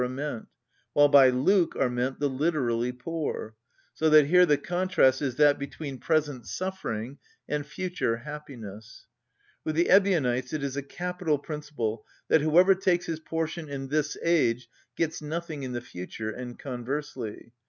meant, while by Luke are meant the literally poor; so that here the contrast is that between present suffering and future happiness. With the Ebionites it is a capital principle that whoever takes his portion in this age gets nothing in the future, and conversely.